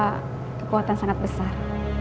kekuatan sangat besar